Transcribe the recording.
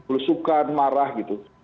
lusukan marah gitu